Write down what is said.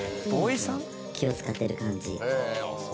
「気を使ってる感じ」